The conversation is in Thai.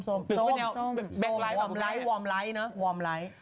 ส้มแบ็คไลท์วอร์มไลท์